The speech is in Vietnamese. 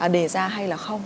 đề ra hay là không